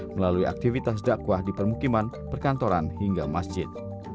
melalui aktivitas dakwah di permukiman perkantoran hingga masjid